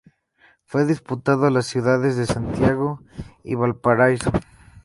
Fue disputado en las ciudades de Santiago y Valparaíso.